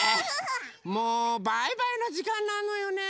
もうバイバイのじかんなのよね。